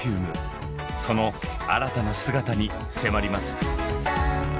その新たな姿に迫ります。